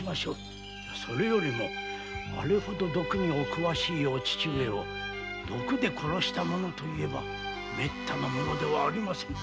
それよりあれほど毒にお詳しいお父上を毒殺した者といえばめったな者ではありません。